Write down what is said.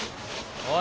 おい！